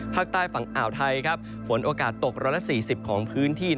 ภาคใต้ฝั่งอ่าวไทยฝนโอกาสตก๑๔๐ของพื้นที่